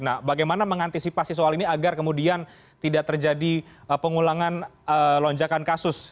nah bagaimana mengantisipasi soal ini agar kemudian tidak terjadi pengulangan lonjakan kasus